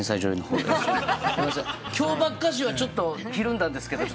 今日ばっかしはちょっとひるんだんですけど。